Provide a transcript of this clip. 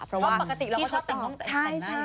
เพราะว่าปกติเราก็ชอบแต่งหน้า